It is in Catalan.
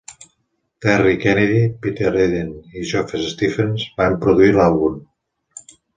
Terry Kennedy, Peter Eden i Geoff Stephens van produir l'àlbum.